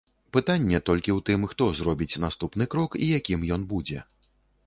Пытанне толькі ў тым, хто зробіць наступны крок і якім ён будзе.